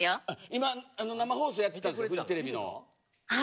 今、生放送をやっていたんですフジテレビの。